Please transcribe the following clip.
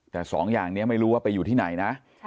แต่สองอย่างนี้ไม่รู้ว่าไปอยู่ที่ไหนนะ